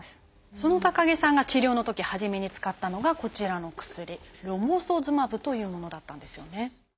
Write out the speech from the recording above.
その高木さんが治療のとき初めに使ったのがこちらの薬ロモソズマブというものだったんですよね。